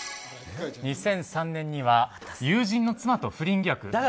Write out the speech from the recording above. ２００３年には友人の妻と不倫疑惑。